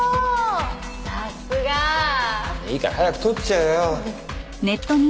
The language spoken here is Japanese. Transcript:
さすが！いいから早く撮っちゃえよ。